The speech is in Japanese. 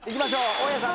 大矢さん